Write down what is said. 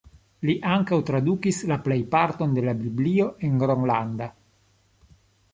Li ankaŭ tradukis la plejparton de la Biblio en gronlanda.